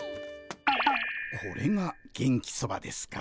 これが元気そばですか。